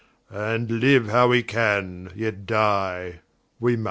And liue we how we can, yet dye we must.